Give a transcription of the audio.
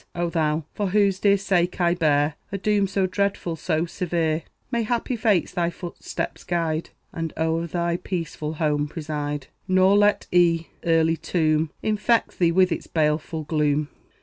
O thou, for whose dear sake I bear A doom so dreadful, so severe, May happy fates thy footsteps guide, And o'er thy peaceful home preside; Nor let E a's early tomb Infect thee with its baleful gloom.